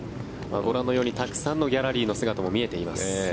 ご覧のようにたくさんのギャラリーの姿も見えています。